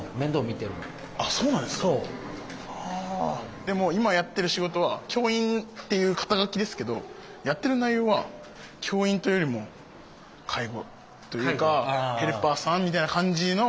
でも今やってる仕事は教員っていう肩書ですけどやってる内容は教員というよりも介護というかヘルパーさんみたいな感じの。